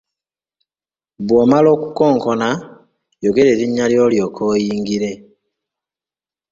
Bw’omala okukonkona yogera erinnya lyo olyoke oyingire.